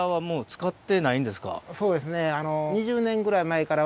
そうですね。